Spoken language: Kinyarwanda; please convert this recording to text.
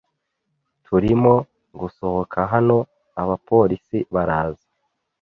Turimo gusohoka hano. Abapolisi baraza.